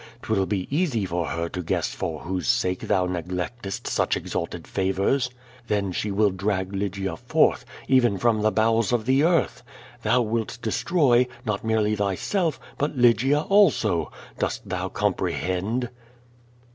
'Twill be easy for her to guess for whose sake thou neglectest such exalted favors. Then she will drag Lygia forth, even from the bowels of the earth. Thou wilt destroy, not merely thyself, but Lygia also. Dost thou comprehend?"